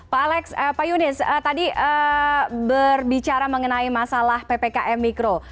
pak yunis tadi berbicara mengenai masalah ppkm mikro